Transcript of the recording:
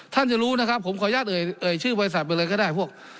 ท่านจะรู้นะครับผมขออนุญาตเอ่ยชื่อบริษัทไปเลยก็ได้พวก